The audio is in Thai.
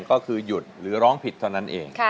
ก็คือหยุดหรือร้องผิดเท่านั้นเอง